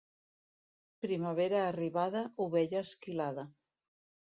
Primavera arribada, ovella esquilada.